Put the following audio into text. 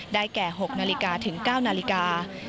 แก่๖นาฬิกาถึง๙นาฬิกา